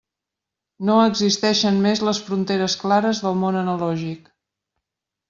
No existeixen més les fronteres clares del món analògic.